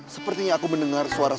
sepertinya aku mendengar suara